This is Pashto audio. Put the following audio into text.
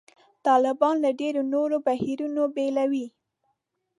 طالبان له ډېرو نورو بهیرونو بېلوي.